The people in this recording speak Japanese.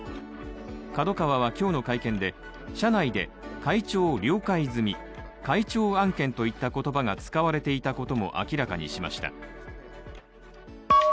ＫＡＤＯＫＡＷＡは今日の会見で社内で「会長了解済み」、「会長案件」といった言葉が使われていたことも明らかにしました。